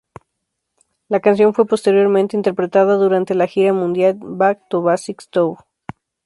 La canción fue posteriormente interpretada durante la gira mundial "Back to Basics Tour".